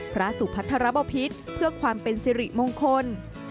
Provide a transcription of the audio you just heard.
พระสุพัทรบพิษเพื่อความเป็นสิริมงคล